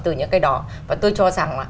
từ những cái đó và tôi cho rằng